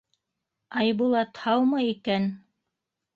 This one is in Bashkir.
— Айбулат һаумы икән?